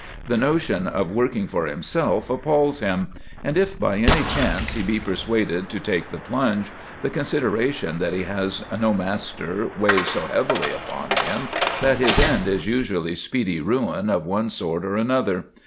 The notion of working for himself appals him; and if by any chance he be persuaded to take the plunge, the consideration that he has no master weighs so heavily upon him that his end is usually speedy ruin of one sort or another.